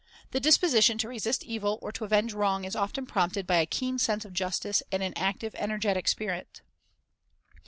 The disposition to resist evil or to avenge wrong" is often prompted by a keen sense of justice and an active, energetic spirit.